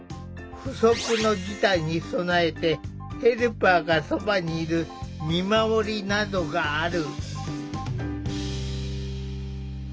不測の事態に備えてヘルパーがそばにいる「見守り」などがある。